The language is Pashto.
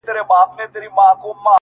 يوه غټ سترگي دومره لېونتوب ته رسيدلې;